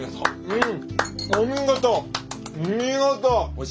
うん。